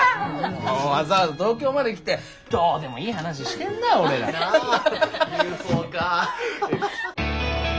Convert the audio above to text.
もうわざわざ東京まで来てどうでもいい話してんな俺ら。なあ。ＵＦＯか。